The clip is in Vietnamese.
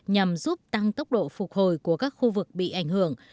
nhằm giúp tăng tốc độ phục hồi của các khu vực bị ảnh hưởng